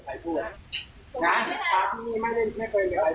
แล้วต้องหาทีไม่เคยต้องระวัติ